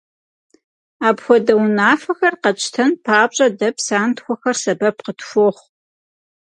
Апхуэдэ унафэхэр къэтщтэн папщӀэ, дэ псантхуэхэр сэбэп къытхуохъу.